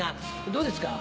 どうですか？